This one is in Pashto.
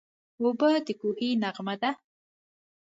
اوبه د کوهي نغمه ده.